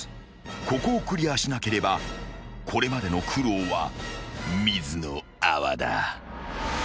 ［ここをクリアしなければこれまでの苦労は水の泡だ］